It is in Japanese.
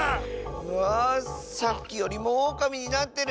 うわあさっきよりもオオカミになってる！